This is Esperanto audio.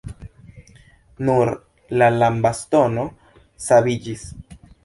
Nur la lambastono saviĝis.